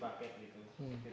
terima kasih pak